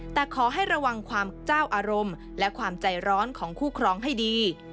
แต่ขอให้ระวังความเจ้าอารมณ์และความใจร้อนของคู่ครองให้ดี